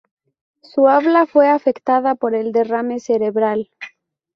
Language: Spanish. Su habla fue afectada por el derrame cerebral.